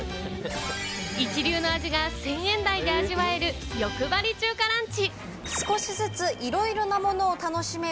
一流の味が１０００円台で味わえる欲張り中華ランチ。